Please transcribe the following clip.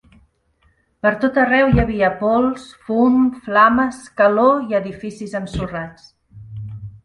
Per tot arreu hi havia pols, fum, flames, calor i edificis ensorrats.